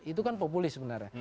itu kan populis sebenarnya